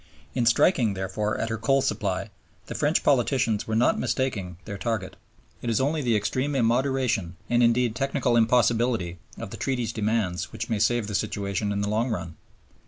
In striking, therefore, at her coal supply, the French politicians were not mistaking their target. It is only the extreme immoderation, and indeed technical impossibility, of the Treaty's demands which may save the situation in the long run.